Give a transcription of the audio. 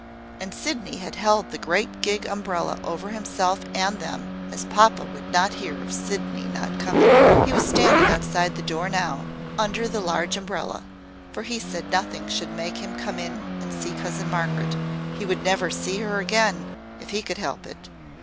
and Sydney had held the great gig umbrella over himself and them, as papa would not hear of Sydney not coming: he was standing outside the door now, under the large umbrella, for he said nothing should make him come in and see cousin Margaret he would never see her again if he could help it.